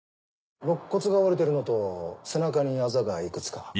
肋骨が折れてるのと背中にアザがいくつか。